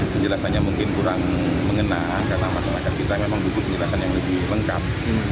penjelasannya mungkin kurang mengenal karena masalah kita memang buku penjelasan yang lebih lengkap